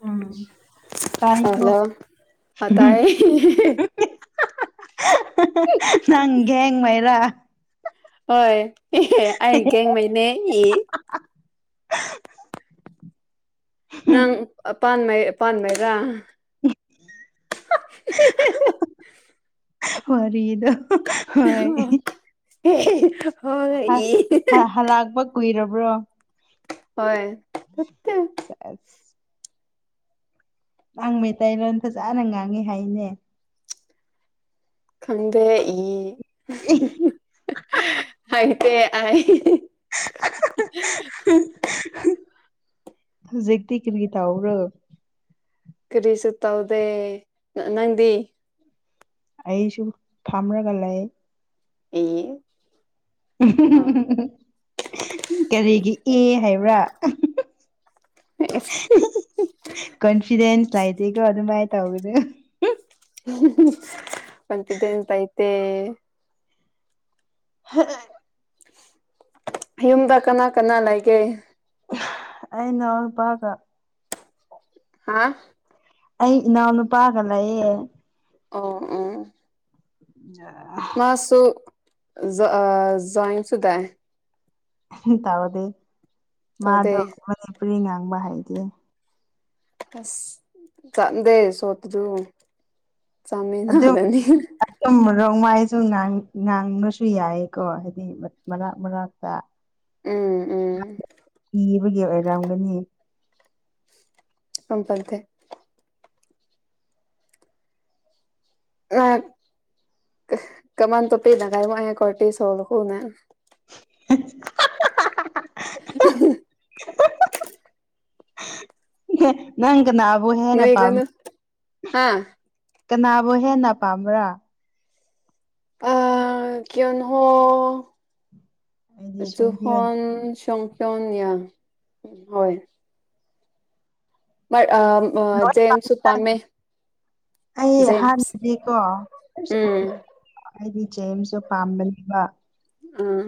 ꯎꯝ ꯑꯥ ꯇꯥꯏꯀꯣ ꯍꯜꯂꯣ ꯑꯥꯇꯥꯏ [unintelligible] ꯅꯪ ꯒꯦꯡꯃꯩꯔ꯫ ꯍꯣꯏ꯫ ꯑꯦ ꯑꯩꯒꯦꯡꯃꯩꯅꯦ ꯏ꯫ [unintelligible] ꯅꯪ ꯑꯄꯥꯟꯃꯩ꯫ ꯑꯦ ꯄꯥꯟꯃꯦꯔꯥ꯫ [unintelligible] [unintelligible] ꯋꯔꯤ ꯗꯣ꯫ ꯍꯣꯏ꯫ [unintelligible] ꯏ ꯍ ꯍꯂꯥꯛꯕ ꯀꯨꯏꯔꯕ ꯕ꯭ꯔꯣ ꯍꯣꯏ ꯁꯦꯁ ꯅꯪ ꯃꯩꯇꯩꯂꯣꯟ ꯐꯖꯟꯅ ꯉꯥꯡꯉꯤ ꯍꯥꯏꯅꯦ ꯈꯪꯗꯦ ꯏ ꯍꯥꯏ ꯇ ꯍꯥꯏ [unintelligible] ꯍꯧꯖꯤꯛꯇꯤ ꯀꯔꯤ ꯇꯧꯕꯔꯣ ꯀꯔꯤꯁꯨ ꯇꯧꯗꯦ ꯅꯪꯗꯤ ꯑꯩꯁꯨ ꯐꯝꯔꯒ ꯂꯩ ꯏ ꯑꯥ ꯀꯔꯤꯒꯤ ꯑꯦ ꯍꯥꯏꯕ꯭ꯔꯥ ꯀꯣꯟꯐꯤꯗꯦꯟꯁ ꯂꯥꯏꯗꯤꯒꯣ ꯑꯗꯨ ꯃꯥꯥꯏ ꯇꯧꯔꯤꯅꯦ ꯀꯟꯐꯤꯗꯦꯟ ꯂꯩꯇꯦ ꯍꯥ ꯌꯨꯝꯗ ꯀꯅꯥ ꯀꯅꯥ ꯂꯩꯒꯦ ꯑꯩ ꯏꯅꯥꯎꯄꯒ ꯍꯥꯥ ꯑꯩ ꯏꯅꯥꯎ ꯅꯨꯄꯥꯥꯒ ꯂꯩꯌꯦ ꯑꯣ ꯑꯣ ꯌꯥ ꯖꯟꯁꯤꯗꯥꯏ ꯍ ꯇꯥꯎꯗꯦ ꯃꯥ ꯇꯧꯗꯦ ꯑꯗꯨ ꯃꯤꯅ ꯉꯥꯡꯕ ꯍꯥꯏꯗꯤ ꯑꯁ ꯈꯪꯗꯦ ꯁꯣꯇꯗꯨ ꯆꯃꯤꯅꯕꯅꯤꯅ ꯔꯣꯡꯃꯥꯏꯁꯨ ꯉꯥꯡꯕꯁꯨ ꯌꯥꯏꯀꯣ ꯍꯥꯏꯗꯤ ꯃꯔꯥꯛ ꯃꯔꯥꯛꯇ ꯎꯝ ꯍ ꯎꯝ ꯒꯤ ꯑꯣꯏꯔꯝꯒꯅꯤ ꯃꯝꯄꯗꯦ ꯑ ꯀꯃꯥꯟ ꯇꯣ ꯄꯤꯗ ꯀꯥꯏꯃ ꯑꯦ ꯀꯣꯔꯇꯤꯁꯣꯜ ꯍꯨꯅꯦ [unintelligible] [unintelligible] ꯅꯪ ꯀꯅꯥꯕꯨ ꯍꯦꯟꯅ ꯄꯥꯝ ꯅꯣꯏꯒꯅꯨ ꯍꯥ ꯀꯅꯥꯕꯨꯣ ꯍꯦꯟꯅ ꯄꯥꯝꯕ꯭ꯔꯥ ꯑ ꯀ ꯍꯣ ꯑꯩꯗꯤ ꯁꯨꯡꯍꯦꯟ ꯖꯨꯍꯥꯟ ꯁ ꯇꯣ ꯌꯥ ꯍꯣꯏ ꯃꯥ ꯑ ꯂꯣꯏ ꯖꯦꯝꯁ ꯄꯥꯝꯃꯤꯗ ꯎꯄꯥꯝꯃꯦ ꯑꯩ ꯦꯝꯁ ꯍꯥꯟꯅꯗꯤꯀꯣ ꯎꯝ ꯑꯩꯗꯤ ꯆꯦꯁꯨ ꯄꯥꯝꯕꯅꯦꯕ ꯑꯥ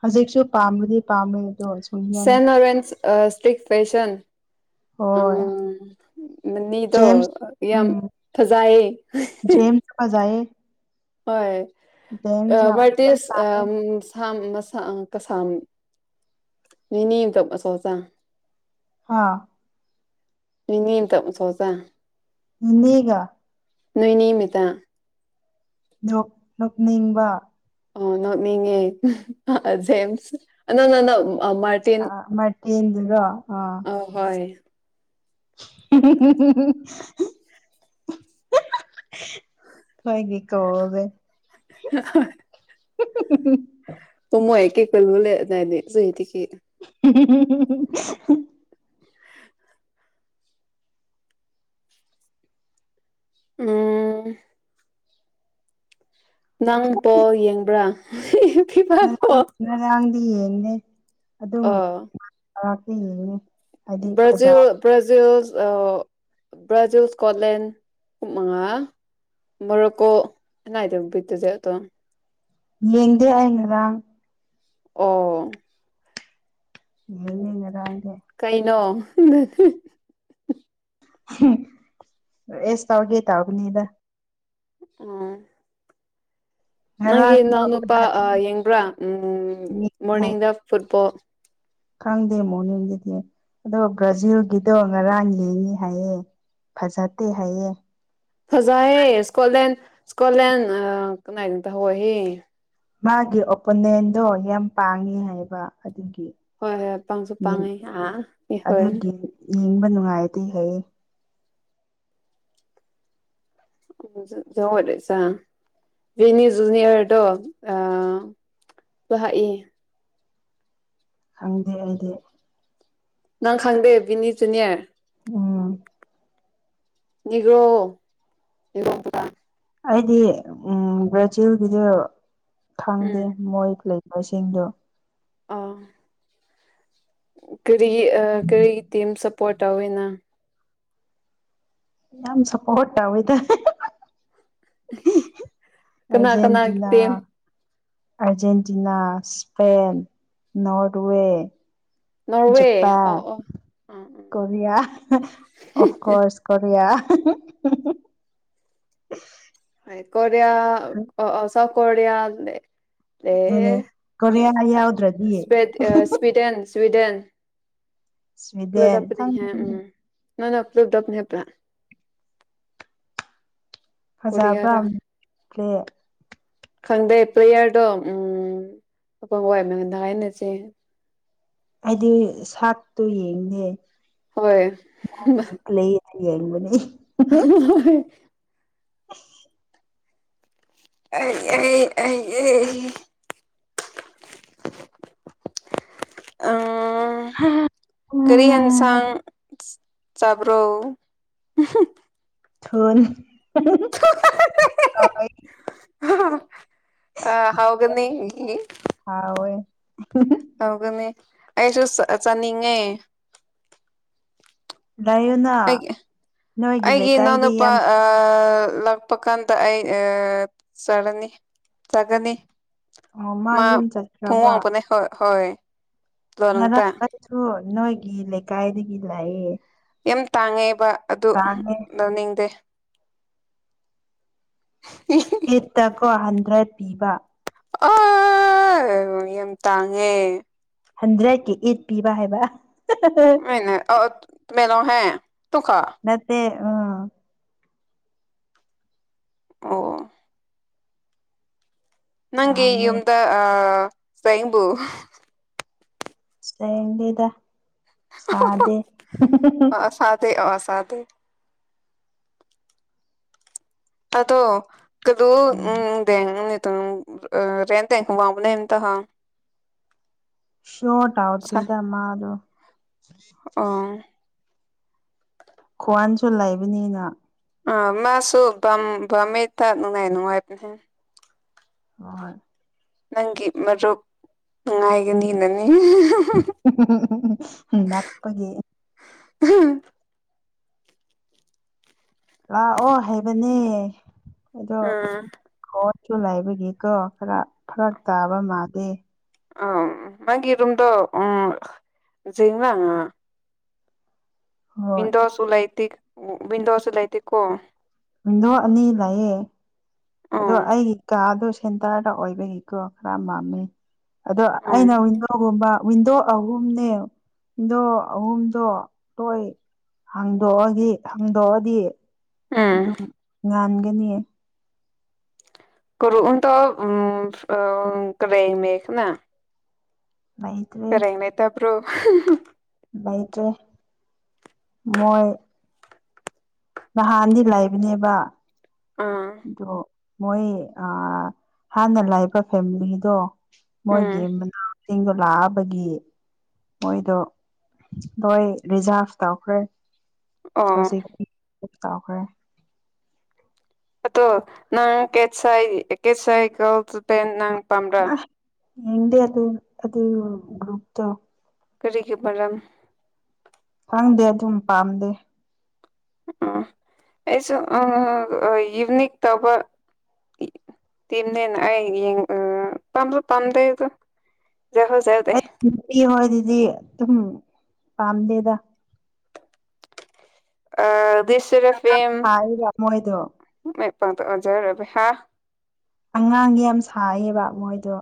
ꯍꯧꯖꯤꯦꯛꯁꯨꯣ ꯄꯥꯝꯗꯤ ꯄꯥꯝ ꯁꯦꯟ ꯂꯣꯔꯦꯟꯁ ꯏꯁꯇ꯭ꯔꯤꯛ ꯐꯦꯁꯟ ꯍꯣꯏ ꯃꯤꯗꯣ ꯖꯦꯝꯁ ꯌꯥꯝ ꯎꯝ ꯐꯖꯥꯏꯌꯦ ꯖꯦꯝꯁ ꯐꯖꯩꯌꯦ ꯍꯣꯏ ꯑ ꯖꯦꯝꯁꯅ ꯋꯥ ꯏꯁꯖ ꯑ ꯀꯁꯥꯝ ꯅꯦꯅꯦ ꯑꯇ ꯑꯆꯧ ꯑꯆꯥꯥꯡ ꯍꯥꯥ ꯅꯤ ꯇ ꯁꯣꯁ ꯏꯒ ꯅꯣꯏꯣꯏꯅꯤꯃꯤꯇꯥ ꯅꯣꯛꯅꯤꯡꯕ ꯑꯣ ꯅꯅꯤꯡꯉꯦ ꯖꯦꯝꯁ ꯑ ꯅꯅ ꯑ ꯃꯠꯇꯤꯗꯨꯒꯣ ꯑ ꯊꯣꯏꯅꯤ ꯀꯣꯕ ꯑ ꯎ ꯍ ꯇ ꯃꯣꯏ ꯑꯦꯦ ꯀꯜ ꯂ ꯦ ꯁꯦ ꯀꯠ ꯎ ꯎꯝ ꯅꯪ ꯄꯣ ꯌꯦꯡꯕ꯭ꯔꯥ ꯎ [unintelligible] ꯁꯤꯅꯦ ꯑꯣ ꯑꯥ ꯊ ꯕ꯭ꯔꯖꯤꯜ ꯭ꯔꯖꯤꯜ ꯑ ꯕ꯭ꯔꯥꯖꯤꯜ ꯁꯀꯣꯠꯂꯦꯟ ꯎꯃꯉꯥ ꯃꯣꯔꯣꯀꯣ ꯑꯦꯅꯥ ꯍꯥꯏꯗ ꯠꯇꯗꯤꯦ ꯑꯇꯣ ꯌꯦꯒꯦꯏꯉꯗ ꯑꯣ ꯌꯦꯡ ꯌꯦꯉꯗꯥꯥꯏ ꯀꯩꯅꯣ ꯅꯠꯊꯦ ꯍꯝ ꯑꯦꯁ ꯇꯧꯒꯦ ꯇꯥꯎꯕꯅꯤꯗ ꯑꯪ ꯉꯔꯥꯡ ꯅꯪꯒꯤ ꯅꯥꯎꯅꯨꯄꯥ ꯑ ꯌꯦꯡꯕ꯭ꯔꯥ ꯎꯝ ꯍꯥꯏ ꯃꯣꯔꯅꯤꯡ ꯗ ꯐꯨꯠꯕꯣꯜ ꯈꯪꯗꯦ ꯃꯣꯔꯅꯤꯡꯒꯤꯗꯤ ꯑꯗꯣ ꯕ꯭ꯔꯥꯖꯤꯜꯒꯤꯗꯣ ꯉꯔꯥꯡ ꯌꯦꯡꯉꯤ ꯍꯥꯏꯌꯦ ꯐꯖꯠꯇꯦ ꯍꯥꯏꯌꯦ ꯐꯖꯌꯦ ꯏꯁꯀꯣꯠꯂꯦꯟ ꯏꯁꯀꯣꯠꯂꯦꯟ ꯑ ꯀꯃꯥꯏꯅ ꯇꯧꯍꯦꯌꯦ ꯃꯥꯒꯤ ꯑꯣꯄꯣꯅꯦꯟꯗꯣ ꯌꯥꯝ ꯄꯥꯡꯉꯤ ꯍꯥꯏꯕ ꯑꯗꯨꯒꯤ ꯍꯣꯏ ꯍꯣꯏ ꯄꯥꯡꯁꯨ ꯄꯥꯡꯉꯦ ꯑꯥ [unintelligible] ꯍꯣꯏ ꯑꯗꯨꯒꯤ ꯌꯦꯡꯕ ꯅꯨꯡꯉꯥꯏꯇꯦ ꯍꯥꯏꯌꯦ [unintelligible] ꯖꯨꯅꯤꯌꯔꯗꯣ ꯑ ꯂꯍꯥꯛꯏ ꯈꯪꯗꯦ ꯑꯩꯗꯤ ꯅꯪ ꯈꯪꯗꯦ ꯕꯤꯅꯤꯆꯨꯅꯌꯔ ꯎꯝ ꯅꯦꯒꯔꯣ [unintelligible] ꯑꯩꯗꯤ ꯎꯝ ꯕ꯭ꯔꯥꯖꯤꯜꯒꯤꯗꯨ ꯈꯪꯗꯦ ꯎꯝ ꯃꯣꯏ ꯂꯩ ꯃꯁꯤꯡꯗꯣ ꯑꯥ ꯀꯔꯤꯒꯤ ꯑ ꯀꯔꯤꯒꯤ ꯇꯤꯝ ꯁꯞ ꯄꯔꯣ ꯇꯧꯑꯦ ꯅꯪ ꯌꯥꯝ ꯁꯄꯣꯔꯠ ꯇꯧꯑꯦꯇ ꯀꯅꯥ ꯀꯅꯥꯒꯤ Argentina team Argentina Spain Norway Norway Japan ꯑꯣ ꯑꯣ ꯑꯥ ꯎꯝ ꯀꯣꯔꯤꯌꯥ ꯑꯣꯐꯀꯣꯁ ꯀꯣꯔꯤꯌꯥ [unintelligible] [unintelligible] ꯀꯣꯔꯤꯌꯥ ꯖꯨꯅꯦ ꯗꯨ ꯅꯦ ꯀꯣꯔꯤꯌꯥ ꯌꯥꯎꯗ꯭ꯔꯗꯤ ꯁ꯭ꯋꯤꯗꯦꯟ ꯁ꯭ꯋꯤꯗꯦꯟ ꯁ꯭ꯋꯤꯗꯦꯟ ꯄꯨꯂꯞꯄꯅꯤ ꯊꯥꯡ [unintelligible] ꯎꯝ ꯅꯪꯅ ꯄꯨꯗꯛ ꯅꯦꯄ꯭ꯔꯥ ꯐꯖꯕ꯭ꯔꯥ ꯇ꯭ꯂꯦ [unintelligible] ꯈꯪꯗꯦ ꯄ꯭ꯂꯦꯌꯔꯗꯣ ꯎꯝ [unintelligible] ꯑꯪ ꯋꯥꯏ ꯃꯗ ꯍꯥꯏꯅꯁꯦ ꯍꯥꯏꯗꯤ ꯁꯥꯛꯇꯣ ꯌꯦꯡꯗꯦ ꯍꯣꯏ ꯄ꯭ꯂꯦꯗ ꯌꯦꯡꯕꯅꯤ [unintelligible] [inaudible] ꯑꯩ ꯑꯩ ꯑꯩ ꯑꯩ ꯑ ꯎꯝ ꯀꯔꯤ ꯎꯝ, ꯍꯦꯟꯁꯥꯡ ꯆꯥꯕ꯭ꯔꯧ [unintelligible] ꯊꯔꯤ [unintelligible] [unintelligible] ꯑ ꯍꯧꯒꯅꯤ ꯍꯝ ꯍꯥꯎꯒꯅꯤ ꯑꯩꯁꯨ ꯆꯆꯅꯤꯡꯉꯦ ꯂꯩꯌꯨꯅ ꯑꯩ ꯅꯣꯏꯒꯤ ꯑꯩꯒꯤ ꯂꯩꯀꯥꯏꯗ ꯢꯅꯥꯎꯅꯨꯄ ꯌꯥꯝ ꯂꯥꯛꯄ ꯀꯥꯟꯗ ꯑꯩꯥ ꯆꯔꯅꯤ ꯆꯥꯒꯅꯤ ꯑꯣ ꯃꯥ ꯌꯨꯝ ꯐꯣꯡꯉ ꯃꯅꯦ ꯍ ꯍꯣꯏ ꯌꯥꯁꯨ ꯂꯣꯟꯅꯨꯡꯇ [unintelligible] ꯅꯣꯏꯒꯤ ꯂꯩꯀꯥꯏꯗꯒꯤ ꯂꯥꯛꯑꯦ ꯌꯥꯝ ꯇꯥꯡꯉꯦꯕ ꯑꯗꯨ ꯀꯥꯡꯉꯦ ꯂꯧꯅꯤꯡꯗꯦ ꯑꯦꯇ ꯀ [unintelligible] ꯗ꯭ꯔꯦꯠ ꯄꯤꯕ ꯑ ꯌꯥꯝ ꯇꯥꯡꯉꯦ ꯍꯟꯗ꯭ꯔꯦꯠꯀꯤ ꯏꯠ ꯄꯤꯕ ꯍꯥꯏꯕ ꯃꯅꯦ ꯑ [unintelligible] ꯃꯅꯣ ꯍꯥꯏ ꯃꯠꯇꯦ ꯑ ꯅꯪꯒꯤ ꯇꯥꯡꯉꯦ ꯌꯨꯝꯗ ꯑ ꯐꯩꯕꯨꯨ ꯁꯤꯗ [unintelligible] ꯁꯥꯗꯦ ꯄꯇ [unintelligible] ꯑꯗꯣ ꯀꯗꯣ [unintelligible] ꯎꯝ ꯎꯗ ꯅ ꯔꯦꯟꯗ ꯋꯥꯃꯅ ꯏꯇ ꯁꯣꯠ [unintelligible] ꯎꯗ꯭ꯔꯔꯤ ꯏꯗ ꯃꯥ ꯑꯗꯨ ꯑꯣ ꯈ꯭ꯋꯥꯟꯁꯨ ꯂꯩꯕꯅꯤꯅ ꯑ ꯃꯥꯁꯨ ꯝꯃꯤ ꯇꯥꯛ ꯅꯨꯡꯉꯥꯏ ꯅꯨꯡꯉꯥꯏꯕꯅꯦ ꯑꯣꯏ ꯅꯪꯒꯤ ꯃꯔꯨꯞ ꯅꯨꯡꯉꯥꯏꯒꯅꯤꯅꯅꯤ ꯅꯄꯒꯤ ꯎꯝ ꯂꯥꯛꯑꯣ ꯍꯥꯏꯩꯕꯅꯦ ꯑꯗꯣ ꯎꯝ ꯨ ꯂꯥꯏꯕꯒꯤꯀꯣ ꯈꯔ ꯐꯔꯛ ꯇꯥꯕ ꯃꯥꯗꯦ ꯑ ꯃꯥꯒꯤ ꯔꯨꯝꯗ ꯎꯝꯅꯥ ꯍꯣꯏ ꯃꯤꯟꯗꯣꯁꯨꯂꯥꯏꯇꯛ ꯑꯣ ꯕꯤꯟ ꯋꯥꯁ ꯂꯥꯏꯇ ꯀꯣ ꯃꯤꯗꯣ ꯑꯅꯤ ꯂꯑꯌꯦ ꯑꯗꯣ ꯎꯝ ꯑꯩꯒꯤ ꯀ ꯑꯗꯨ ꯁꯦꯟꯇꯔꯗ ꯑꯣꯏꯕꯒꯤꯀꯣ ꯈꯔ ꯃꯥꯝꯃꯤ ꯑꯗꯣ ꯎꯝ ꯑꯩꯅ ꯋꯤꯟꯗꯣꯒꯨꯝꯕ ꯋꯤꯟꯗꯣ ꯑꯍꯨꯝꯅꯦ ꯋꯤꯟꯗꯣ ꯑꯍꯨꯝꯗꯣ ꯂꯣꯏ ꯍꯥꯡꯗꯣꯛꯑꯗꯤ ꯍꯥꯡꯗꯣꯛꯑꯗꯤ ꯎꯝ ꯑꯗꯨꯝ ꯉꯥꯟ ꯒꯅꯤ ꯀꯨ ꯇ ꯎꯝ ꯀꯔꯦꯏ ꯃꯈ ꯅ ꯃꯩ ꯇꯦ ꯭ꯔꯣ ꯏꯇ ꯃꯣꯏ ꯅꯍꯥꯟꯅꯤ ꯂꯥꯛꯕꯅꯦꯕ ꯑꯥ ꯗꯣ ꯃꯣꯏ ꯍꯥꯟꯅ ꯂꯥꯛꯕ ꯐꯦꯃꯤꯂꯤꯗꯣ ꯎꯝ ꯃꯣꯏꯒꯤꯦ ꯆꯤꯡꯗꯣ ꯂꯥꯛꯑꯕꯒꯤ ꯃꯣꯏꯗꯣ ꯂꯣꯏ ꯔꯤꯖꯥꯔꯚ ꯇꯧꯈ꯭ꯔꯦ ꯑ ꯞ ꯆꯥꯎꯈ꯭ꯔꯦ ꯑꯣ ꯅꯪ ꯀꯦꯠ ꯁꯥꯏ ꯀꯦꯠ ꯁꯥꯏ ꯀꯜ ꯄꯦꯟ ꯅꯪ ꯄꯥꯝꯕ꯭ꯔꯥ ꯌꯦꯗꯤ ꯑ ꯑ ꯒ꯭ꯔꯨꯛꯇꯇꯣ ꯀꯔꯤꯒꯤ ꯃꯔꯔꯝ ꯈꯪꯗꯦ ꯑꯗꯨꯝ ꯄꯥꯝꯗꯦ ꯎ ꯑꯩꯁꯨ ꯌꯨꯅꯤꯛ ꯇꯧꯕ ꯇꯤꯝꯅꯦꯅ ꯑꯩ ꯄꯥꯝꯁꯨ ꯄꯥꯝꯗꯦ ꯑꯗꯣ ꯍꯣꯏ ꯑꯗꯨꯗꯤ ꯑꯗꯨꯝ ꯄꯥꯝꯗꯦꯗ ꯑ ꯁꯨꯔ ꯐꯤꯝ ꯁꯥꯏꯕ ꯃꯣꯏꯗꯣ ꯃ ꯄꯥꯎꯗ ꯍꯖꯔ ꯍꯥ ꯑꯉꯥꯡ ꯌꯥꯝ ꯁꯌꯦꯕ ꯃꯣꯏꯗꯣ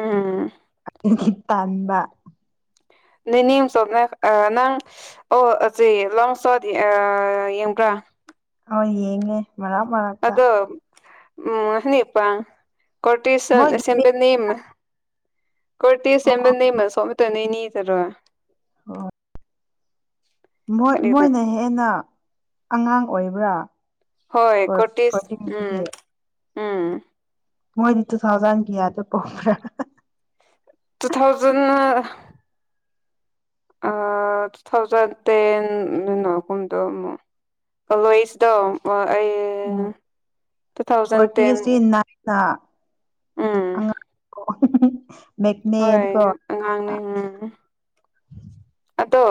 ꯑꯥ ꯇꯝꯕ ꯅꯦꯅꯦ ꯁꯣꯅ ꯅꯪ ꯑꯣꯆꯦ ꯂꯣꯡ ꯁꯠ ꯌꯦꯡꯕ꯭ꯔꯥ ꯑ ꯌꯦꯡꯉꯦ ꯃꯂ ꯃꯅꯠꯇ ꯑꯗꯣ ꯎꯝ ꯍꯅꯤꯄꯥ ꯀꯣꯇꯁꯟ ꯃꯣꯏꯒꯤ ꯁꯤꯕꯅꯤꯝ ꯀꯇ ꯁꯦꯝꯕꯔ ꯅ ꯃ ꯁꯋꯥ ꯇꯅꯅꯤ ꯇꯔ ꯍ ꯣꯏ ꯑꯗꯨꯗ ꯃꯣꯏꯅ ꯍꯦꯟꯅ ꯑꯉꯥꯡ ꯑꯣꯏꯕ꯭ꯔꯥ ꯍꯣꯏ ꯀꯣꯇꯤꯁ ꯎꯝ ꯀꯣꯔꯇꯤꯁꯤꯒꯤ ꯑꯝ ꯃꯣꯏꯗꯤꯠꯇꯨ ꯊꯥꯎꯖꯥꯟꯒꯌꯥꯗ ꯀꯣꯄ꯭ꯔꯥ ꯇꯨ ꯊꯥꯎꯖꯟ ꯇꯨ ꯊꯥꯎꯖꯟ ꯇꯦꯟꯅꯒꯨꯝꯗꯣ ꯑꯃꯨꯛ ꯀꯂꯣꯏꯁꯤꯗꯣ ꯎꯝ ꯀꯇ ꯇꯦꯟ ꯁꯤ ꯏꯥꯡ ꯎꯝ [unintelligible] ꯍꯣꯏ ꯑꯉꯥꯡꯅꯤ ꯎꯝ ꯑꯗꯣ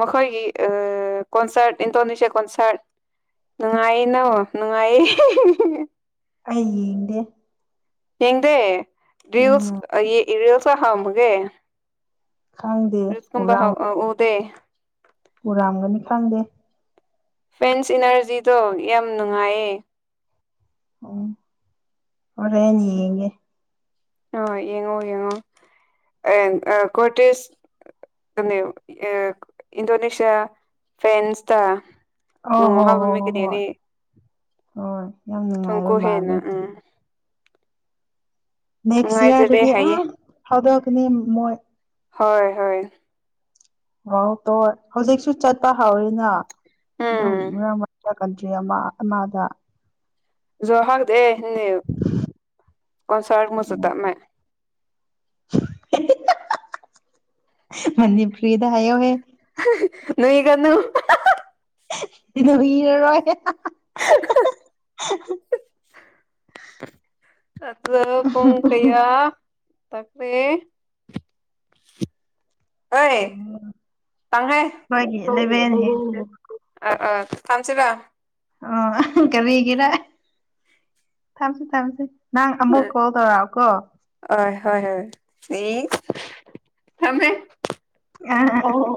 ꯃꯈꯣꯏꯒꯤ ꯀꯣꯟꯁꯥꯔꯠ ꯏꯟꯗꯣꯅꯦꯁꯤꯌꯥ ꯀꯣꯟꯁꯥꯔꯠ ꯅꯨꯡꯉꯥꯏ ꯅ ꯅꯨꯡꯉꯥꯏꯌꯦ ꯑꯩ ꯌꯦꯡꯗꯦ ꯍꯡꯗꯦ ꯎꯝ ꯁ ꯏꯔꯜꯁ ꯍꯥꯎꯃꯒꯦ ꯈꯪꯗꯦ ꯔꯁꯀꯨꯝꯕ ꯎꯔꯥꯡ ꯎꯗꯦ ꯎꯔꯥꯝꯒꯅꯤ ꯈꯪꯗꯦ ꯐꯦꯟꯁ ꯏꯅꯔꯖꯤꯗꯣ ꯌꯥꯝ ꯅꯨꯡꯉꯥꯏꯌꯦ ꯑꯣꯝ ꯍꯔꯦꯅꯤꯌꯦꯦ ꯑ ꯌꯦꯡꯉꯣ ꯌꯦꯡꯉꯣ ꯀꯣꯔꯣꯇꯤꯁ ꯏꯟꯗꯣꯅꯦꯁꯤꯌꯥ ꯐꯦꯟꯁꯇ ꯑꯣ ꯍꯣ ꯍꯣ ꯍꯣꯏ ꯍꯣꯏ ꯍꯣꯏ ꯌꯥꯝ ꯅꯨꯡꯉꯥꯏꯕ ꯊꯨꯝꯀꯨ ꯍꯦꯟꯅ ꯃꯥꯜꯂꯦ ꯎꯝ ꯅꯦꯛꯁ ꯅꯨꯡꯉꯥꯏꯖꯔꯦ ꯏꯌꯥꯔꯗꯤ ꯍꯥꯏꯌꯦ ꯑꯗ ꯑ ꯃꯣꯏ ꯍꯣꯏ ꯍꯣꯏ ꯑꯣ ꯇꯣꯏ ꯍꯧꯖꯤꯛꯁꯨ ꯆꯠꯄ ꯍꯧꯎꯔꯤꯅ ꯗꯨꯝ ꯎꯝ ꯃꯔꯛ ꯃꯔꯛ ꯀꯟꯇ꯭ꯔꯤ ꯑꯃ ꯑꯃꯗ ꯖꯣ ꯍꯥꯗꯦ ꯀꯣꯟꯁꯔ ꯃꯁꯨ ꯇꯥꯃꯦ ꯃꯅꯤ ꯐ꯭ꯔꯤꯗ ꯍꯥꯏꯌꯣꯍꯦ ꯅꯨꯏ ꯀꯥꯅꯨ ꯀ ꯅ ꯏꯔꯔꯣꯏ ꯑ ꯄꯣꯡ ꯀꯌꯥ ꯇꯈꯔꯦ ꯑꯣꯏ ꯇꯉꯥꯏ ꯑꯩꯈꯣꯏꯒꯤ ꯏꯂꯚꯦꯟ ꯍꯦꯟꯈ꯭ꯔꯦ ꯑ ꯑ ꯊꯝꯁꯤꯕ ꯑꯣ ꯀꯔꯤꯒꯤꯔꯥ ꯊꯝꯁꯤ ꯊꯝꯁꯤ ꯅꯪ ꯑꯃꯨꯛ ꯀꯣꯜ ꯇꯧꯔꯛꯑꯣꯀꯣ ꯍꯣꯏ ꯍꯣꯏ ꯍꯣꯏ ꯑꯦ ꯊꯝꯃꯦ ꯑ ꯑꯣ